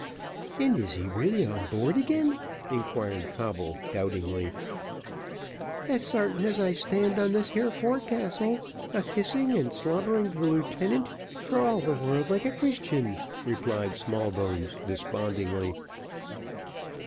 "And is he really on board again?" inquired Coble, doubtingly. "As sartin as I stands on this here forecastle a kissing and slobbering the lieutenant for all the world like a Christian," replied Smallbones, despondingly.